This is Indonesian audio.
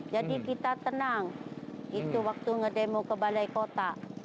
jadi kita tenang itu waktu ngedemo ke balai kota